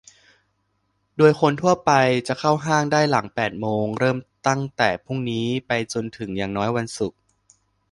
โดยคนทั่วไปจะเข้าห้างได้หลังแปดโมง เริ่มตั้งแต่พรุ่งนี้ไปจนถึงอย่างน้อยวันศุกร์